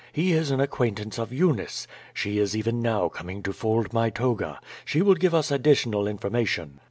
"He is an ac quaintance of Eunice. She is even now coming to fold my toga. She will give us additional information.'